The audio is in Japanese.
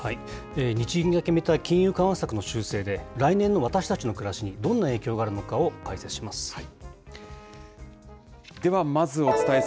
日銀が決めた金融緩和策の修正で、来年の私たちの暮らしにどんな影響があるのかを解説します。